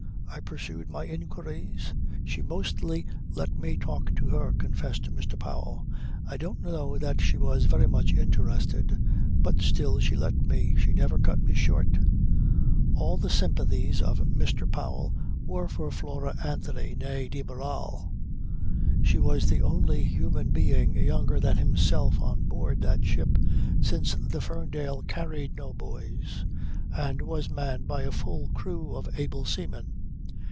I pursued my inquiries. "She mostly let me talk to her," confessed Mr. Powell. "I don't know that she was very much interested but still she let me. She never cut me short." All the sympathies of Mr. Powell were for Flora Anthony nee de Barral. She was the only human being younger than himself on board that ship since the Ferndale carried no boys and was manned by a full crew of able seamen.